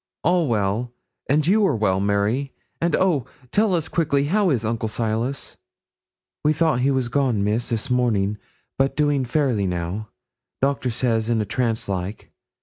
'All well, and you are well, Mary? and oh! tell us quickly how is Uncle Silas?' 'We thought he was gone, Miss, this morning, but doing fairly now; doctor says in a trance like.